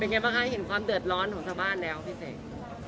ไงบ้างคะเห็นความเดือดร้อนของชาวบ้านแล้วพี่เสก